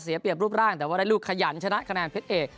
เสียเปรียบรูปร่างแต่ว่าได้ลูกขยันชนะคะแนนเพชรเอก